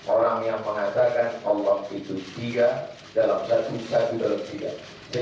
orang yang mengatakan allah itu tiga dalam satu satu dalam sidang